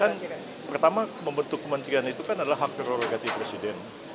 kan pertama membentuk kementerian itu kan adalah hak prerogatif presiden